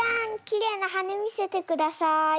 きれいなはねみせてください。